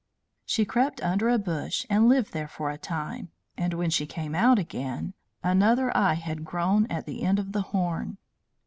She crept under a bush and lived there for a time, and when she came out again another eye had grown at the end of the horn.